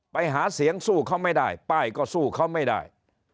ไปหาเสียงสู้เขาไม่ได้ป้ายก็สู้เขาไม่ได้